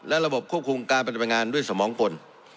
และระบบควบคุมการปฏิบัติงานด้วยสมองกล